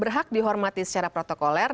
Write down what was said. berhak dihormati secara protokoler